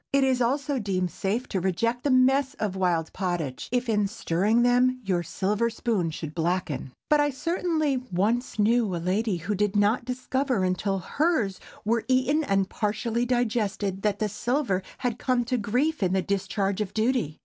It is also deemed safe to reject the mess of wild pottage, if in stirring them, your silver spoon should blacken. But I certainly once knew a lady who did not discover until hers were eaten and partially digested, that the silver had come to grief in the discharge of duty.